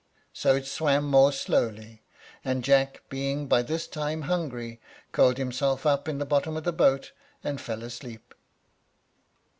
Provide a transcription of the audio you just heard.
So it swam more slowly; and Jack, being by this time hungry, curled himself up in the bottom of the boat, and fell asleep.